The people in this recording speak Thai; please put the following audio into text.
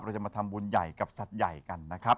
เราจะมาทำบุญใหญ่กับสัตว์ใหญ่กันนะครับ